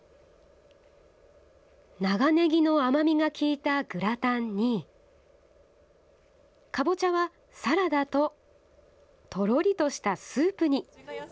長ネギの甘みがきいたグラタンにカボチャはサラダととろりとしたスープに。